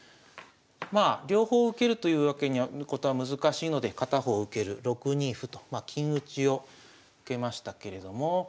まあ両方受けるということは難しいので片方受ける６二歩とまあ金打ちを受けましたけれども。